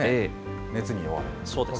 熱に弱い。